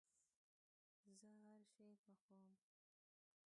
زه هرشی پخوم